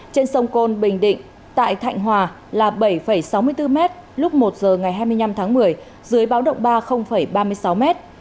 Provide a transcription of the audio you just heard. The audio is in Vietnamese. trên sông côn bình định tại thạnh hòa là bảy sáu mươi bốn m lúc một giờ ngày hai mươi năm tháng một mươi dưới báo động ba ba mươi sáu m